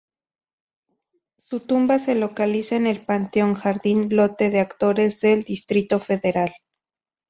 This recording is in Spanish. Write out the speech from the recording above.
Su tumba se localiza en el panteón Jardín lote de actores del Distrito Federal.